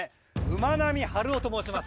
馬並春夫と申します。